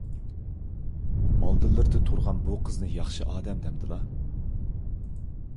ئالدىلىرىدا تۇرغان بۇ قىزنى ياخشى ئادەم دەمدىلا؟